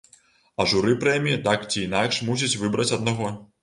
А журы прэміі так ці інакш мусіць выбраць аднаго.